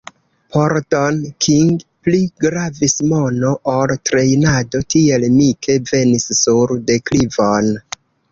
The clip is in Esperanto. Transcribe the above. Por Don King pli gravis mono ol trejnado, tiel Mike venis sur deklivon.